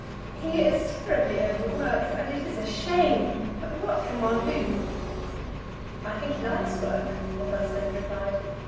"He is terribly overworked, and it is a shame; but what can one do?" "I think he likes work," Augusta had replied.